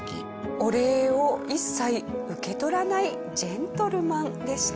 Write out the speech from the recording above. お礼を一切受け取らないジェントルマンでした。